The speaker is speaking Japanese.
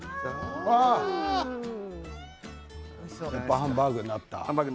ハンバーグになった。